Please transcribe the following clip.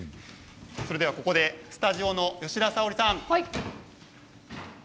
それではここでスタジオの吉田沙保里さん